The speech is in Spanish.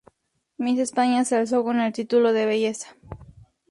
Miss España se alzó con el título de belleza.